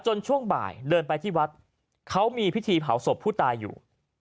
ช่วงบ่ายเดินไปที่วัดเขามีพิธีเผาศพผู้ตายอยู่